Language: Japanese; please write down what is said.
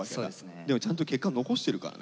でもちゃんと結果残してるからね。